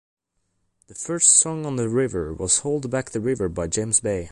The first song on "The River" was "Hold Back the River" by James Bay.